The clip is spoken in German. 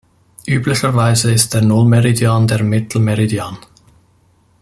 Üblicherweise ist der Nullmeridian der Mittelmeridian.